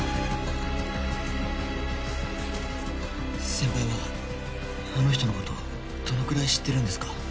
先輩はあの人のことどのくらい知ってるんですか？